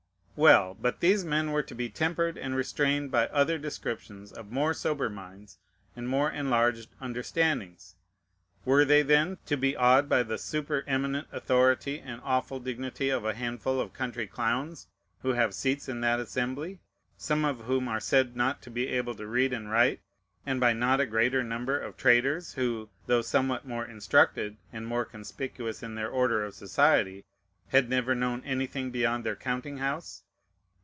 Well! but these men were to be tempered and restrained by other descriptions, of more sober minds and more enlarged understandings. Were they, then, to be awed by the supereminent authority and awful dignity of a handful of country clowns, who have seats in that assembly, some of whom are said not to be able to read and write, and by not a greater number of traders, who, though somewhat more instructed, and more conspicuous in the order of society, had never known anything beyond their counting house?